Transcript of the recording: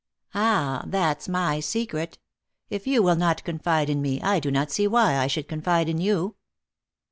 "Ah, that's my secret. If you will not confide in me, I do not see why I should confide in you."